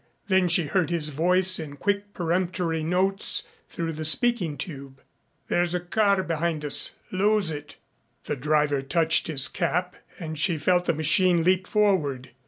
Then she heard his voice in quick peremptory notes through the speaking tube. "There's a car behind us. Lose it." The driver touched his cap and she felt the machine leap forward.